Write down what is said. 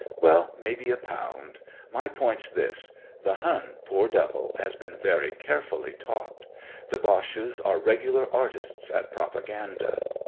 "Well, maybe a pound. My point's this: the Hun poor devil !— has been very carefully taught. The Boches are regular artists at propaganda.